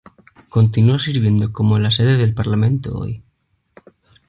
Continúa sirviendo como la sede del Parlamento hoy.